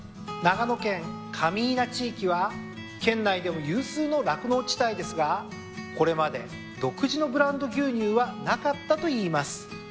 長野県上伊那地域は県内でも有数の酪農地帯ですがこれまで独自のブランド牛乳はなかったといいます。